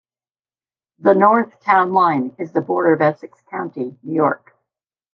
The north town line is the border of Essex County, New York.